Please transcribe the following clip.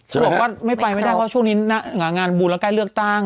ก็บอกว่าไม่ไปไม่ได้เพราะว่าช่วงนี้อังกฤษงานบูรณ์แล้วใกล้เลือกตั้ง